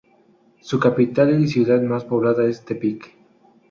Su capital y ciudad más poblada es Tepic.